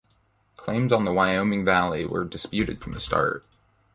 Claims on the Wyoming Valley were disputed from the start.